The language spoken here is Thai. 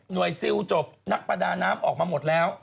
ซิลจบนักประดาน้ำออกมาหมดแล้ว